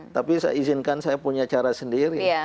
tapi saya izinkan saya punya cara sendiri